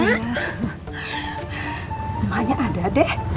emaknya ada deh